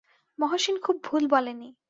মহসিন খুব ভুল বলে নি।